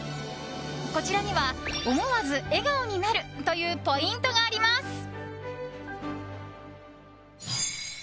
こちらには思わず笑顔になるというポイントがあります。